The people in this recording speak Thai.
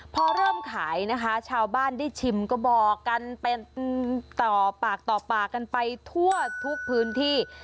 พอเริ่มขายนะคะชาวบ้านได้ชิมก็บอกกันเป็นต่อปากต่อปากกันไปทั่วทุกพื้นที่